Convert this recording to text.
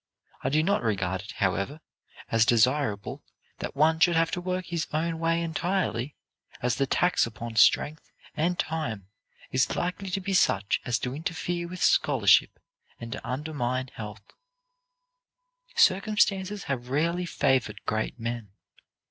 I do not regard it, however, as desirable that one should have to work his own way entirely, as the tax upon strength and time is likely to be such as to interfere with scholarship and to undermine health." Circumstances have rarely favored great men.